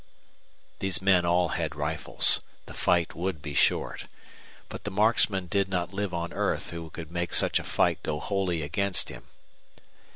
These men all had rifles. The fight would be short. But the marksmen did not live on earth who could make such a fight go wholly against him.